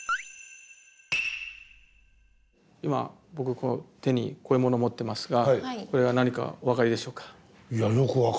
今僕こう手にこういうものを持ってますがこれは何かお分かりでしょうか。